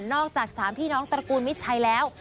นอกจากสามพี่น้องตระกูลมิตรชัยแล้ว